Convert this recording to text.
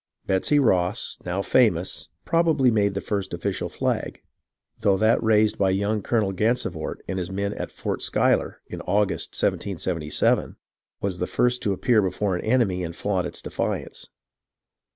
Betsey Ross, now famous, probably made the first official flag, though that raised by young Colonel Gansevoort and his men at Fort Schuyler, in August, 1777, was the first to appear before an enemy and flaunt its defiance.